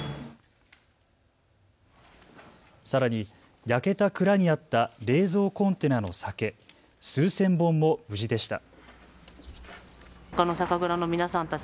さらに焼けた蔵にあった冷蔵コンテナの酒数千本も無事でした。